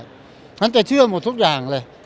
ฉันจะเชื่อหมดทุกอย่างเลย